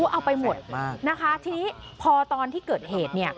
เอาไปหมดนะคะทีนี้พอตอนที่เกิดเหตุเนี่ย